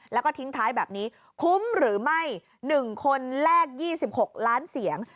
แล้วก็ทิ้งท้ายแบบนี้คุ้มหรือไม่๑คนแลก๒๖ล้านเสียง